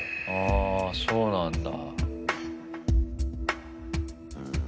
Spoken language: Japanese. あ、そうなんだ。